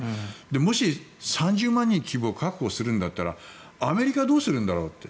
もし、３０万人規模を確保するんだったらアメリカ、どうするんだろうと。